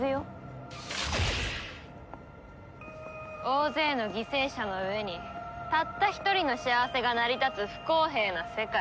大勢の犠牲者の上にたった一人の幸せが成り立つ不公平な世界。